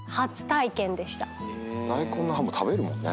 大根の葉も食べるもんね。